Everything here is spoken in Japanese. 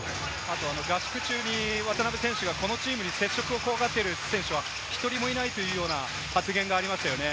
合宿中に渡邊選手がこのチームに接触を怖がっている選手は１人もいないというような発言がありましたよね。